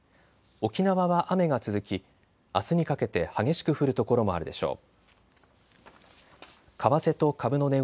沖縄は雨が続き、あすにかけて激しく降る所もあるでしょう。